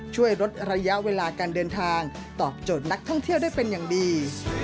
ช่วยลดระยะเวลาการเดินทางตอบโจทย์นักท่องเที่ยวได้เป็นอย่างดี